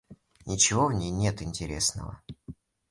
Ничего в ней нет интересного!